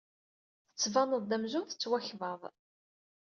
Tettbaned-d amzun tettwakbad.